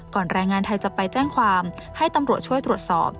แรงงานไทยจะไปแจ้งความให้ตำรวจช่วยตรวจสอบ